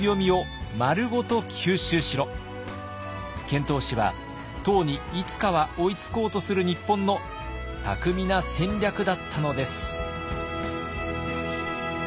遣唐使は唐にいつかは追いつこうとする日本の巧みな戦略だったのです。